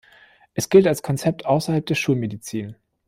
Es gilt als Konzept außerhalb der Schulmedizin.